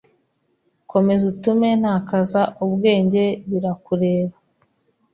Komeza, utume ntakaza ubwenge birakureba